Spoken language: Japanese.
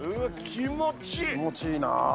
気持ちいいな。